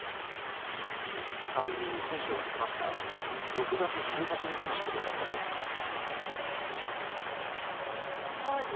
参議院選挙が迫った６月１８日のことだったといいます。